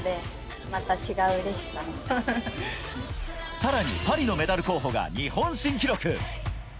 さらに、パリのメダル候補が日本新記録！